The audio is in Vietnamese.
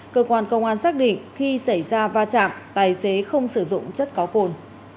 cơ quan công an xác định khi xảy ra va chạm tài xế không sử dụng chất có cồn